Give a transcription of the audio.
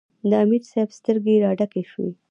د امیر صېب سترګې راډکې شوې ـ